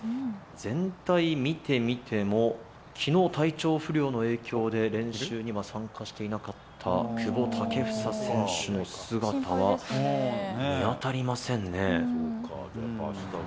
全体見てみても、きのう体調不良の影響で、練習には参加していなかった久保建英選手の姿は見当たりませんね。